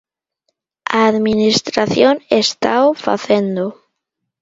A Administración estao facendo.